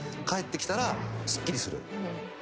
帰ってきたらすっきりする。